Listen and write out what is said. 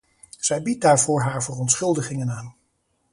Zij biedt daarvoor haar verontschuldigingen aan.